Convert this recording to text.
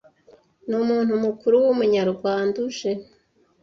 n umuntu mukuru w Umunyarwanda uje,